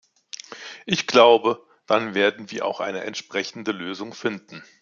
Ich glaube, dann werden wir auch eine entsprechende Lösung finden.